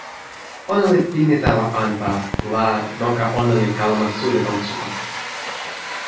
ona li pini tawa anpa, la noka ona li kalama suli lon supa.